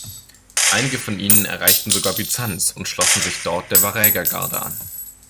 Einige von ihnen erreichten sogar Byzanz und schlossen sich dort der Warägergarde an.